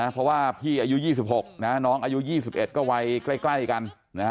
เพราะว่าพี่อายุ๒๖น้องอายุ๒๑ก็วัยใกล้กัน